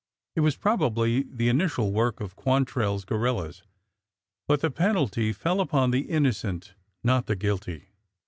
It was probably the initial work of QuantrelFs guerrillas, but the penalty fell upon the in nocent, not the guilty.